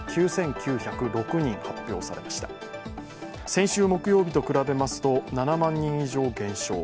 先週木曜日と比べますと７万人以上減少。